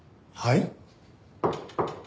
はい？